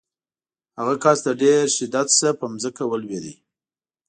هغه کس د ډېر شدت نه په ځمکه ولویېد.